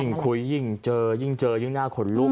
ยิ่งคุยยิ่งเจอยิ่งน่าขนลุก